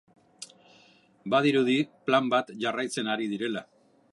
Badirudi plan bat jarraitzen ari direla.